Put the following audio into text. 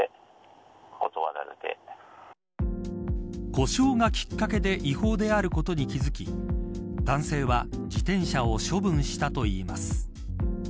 故障がきっかけで違法であることに気付き男性は、自転車を処分したといいます。